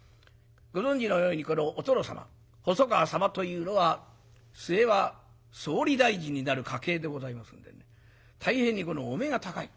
ご存じのようにこのお殿様細川様というのは末は総理大臣になる家系でございますんでね大変にお目が高い。